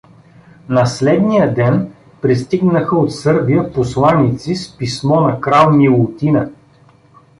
На следния ден пристигнаха от Сърбия посланици с писмо на крал Милутина.